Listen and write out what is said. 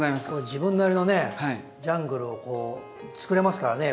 自分なりのねジャングルをこうつくれますからね。